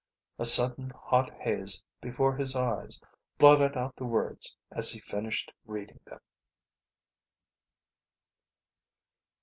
A sudden hot haze before his eyes blotted out the words as he finished reading them.